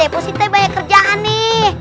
positai banyak kerjaan nih